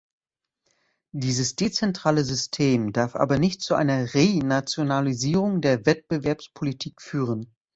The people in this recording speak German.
Dieses dezentrale System darf aber nicht zu einer Renationalisierung der Wettbewerbspolitik führen.